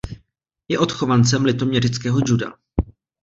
Je odchovancem litoměřického juda.